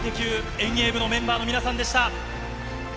遠泳部のメンバーの皆さんでした。